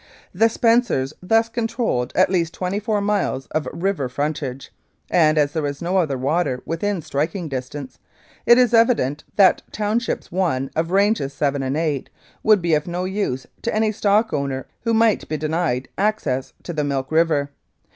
The Spencers thus controlled at least twenty four miles of river frontage, and, as there was no other water within striking distance, it is evident that Townships i of Ranges 7 and 8 would be of no use to any stock owner who might be denied access to the Milk River.